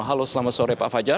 halo selamat sore pak fajar